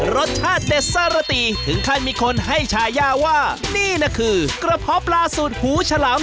รสชาติเด็ดสรติถึงขั้นมีคนให้ฉายาว่านี่นะคือกระเพาะปลาสูตรหูฉลาม